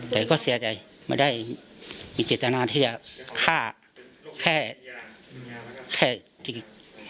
แต่ก็เสียใจไม่ได้มีเจตนาที่จะฆ่าแค่จริง